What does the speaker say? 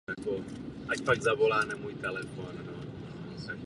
Většinu prací mu vydalo nakladatelství Vilímek.